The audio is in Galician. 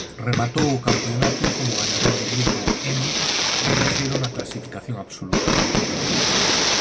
Rematou o campionato como gañador do grupo N e terceiro na clasificación absoluta.